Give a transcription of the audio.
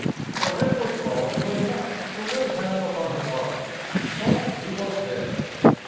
So Edward called to a knight to lay hand upon his heart. But he was dead.